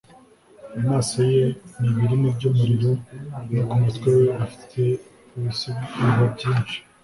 Amaso ye ni ibirimi by’umuriro no ku mutwe we afite ibisingo byinshi,